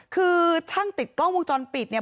คือช่างติดกล้องวงจรปิดเนี่ย